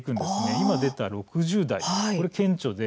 今出た６０代これは顕著です。